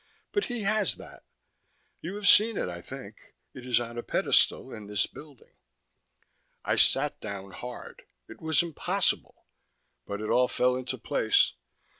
But he has that. You have seen it, I think. It is on a pedestal in this building." I sat down hard. It was impossible. But it all fell into place.